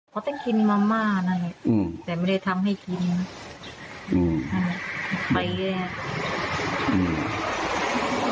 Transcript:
พอตั้งคินมะม่านะฮะอืมแต่ไม่ได้ทำให้กินอืมไปแยก